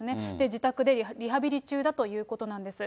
自宅でリハビリ中だということなんです。